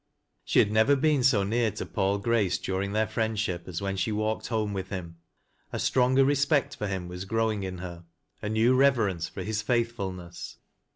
She had never been so near to Paul Grace during their friendship as when she walked home with him. A stronger respect for him was growing in her, — a new reverence for his faithfulness.